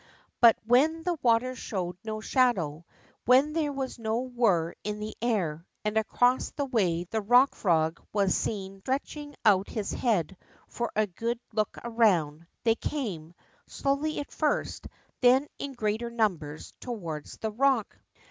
But when the water showed no shadow, when there was no whirr in the air, and across the way the Rock Frog was seen stretching out his head for a good look around, they came, slowly at first, then in greater numbers, toward the rock.